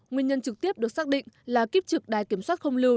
nguyên nhân trực tiếp được xác định là kiếp trực đài kiểm soát không lưu